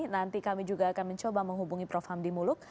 nanti kami juga akan mencoba menghubungi prof hamdi muluk